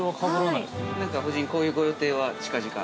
◆なんか夫人、こういうご予定は近々。